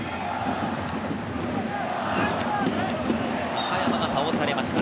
中山が倒されました。